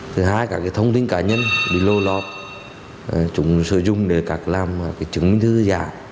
thứ hai các cái thông tin cá nhân bị lô lọt chúng sử dụng để các làm cái chứng minh thứ giả